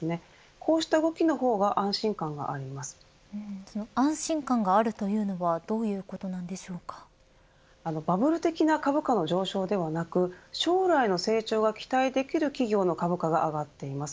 こうした動きの方が安心感があるというのはバブル的な株価の上昇ではなく将来の成長が期待できる企業の株価が上がっています。